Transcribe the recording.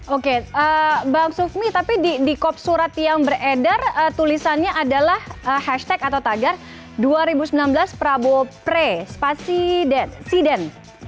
oke bang sufmi tapi di kop surat yang beredar tulisannya adalah hashtag atau tagar dua ribu sembilan belas prabowo pre spasiden